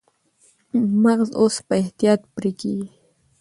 مغز اوس په احتیاط پرې کېږي.